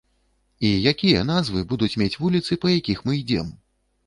І якія назвы будуць мець вуліцы, па якіх мы ідзём?